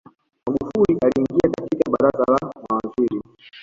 magufuli aliingia katika baraza la mawaziri